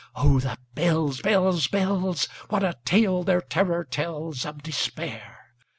Oh, the bells, bells, bells! What a tale their terror tellsOf Despair!